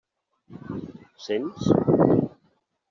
Sents?